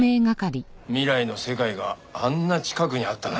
未来の世界があんな近くにあったなんて。